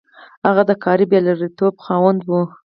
هغه د کاري برياليتوب خاوند و.